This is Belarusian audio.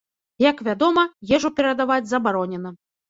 Як вядома, ежу перадаваць забаронена.